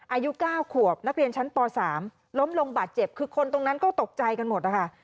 อายุ๙ขวบนักเรียนชั้นป๓ล้มลงบาดเจ็บคือคนตรงนั้นก็ตกใจกันหมดนะคะ